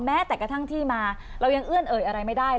แม้แต่กระทั่งที่มาเรายังเอื้อนเอ่ยอะไรไม่ได้